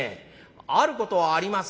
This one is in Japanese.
あることはあります」。